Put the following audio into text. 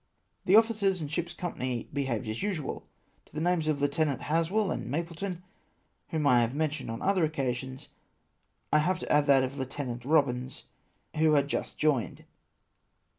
" The officers and ship's company behaved as usual ; to the names of Lieutenants Haswell and Mapleton, Avhom I have mentioned on other occasions, I have to add that of Lieutenant Kobins, who had just joined.